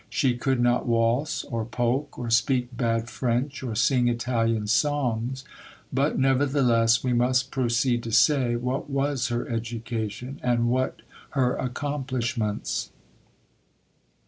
She could not waltz, or polk, or speak bad French, or sing Italian songs; but, nevertheless, we must proceed to say what was her education and what her accomplishments.